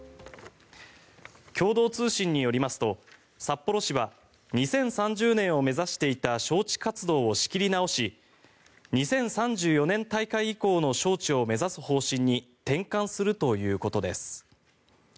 共同通信によりますと札幌市は２０３０年を目指していた招致活動を仕切り直し２０３４年大会以降の招致を目指す方針に転換するということです。